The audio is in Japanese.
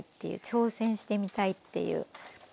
挑戦してみたいっていう。